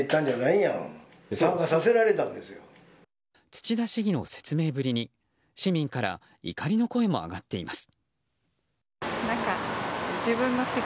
土田市議の説明ぶりに市民から怒りの声も上がっています。